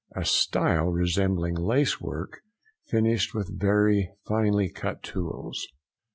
A style resembling lace work, finished with very finely cut tools.